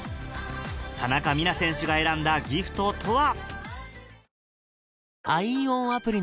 田中美南選手が選んだギフトとは？